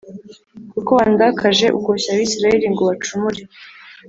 kuko wandakaje ukoshya Abisirayeli ngo bacumure’